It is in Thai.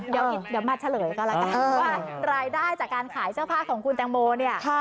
เดี๋ยวมาเฉลยก็แล้วกันว่ารายได้จากการขายเสื้อผ้าของคุณแตงโมเนี่ย